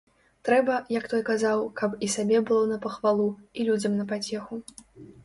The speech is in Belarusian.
Трэба, як той казаў, каб і сабе было на пахвалу, і людзям на пацеху.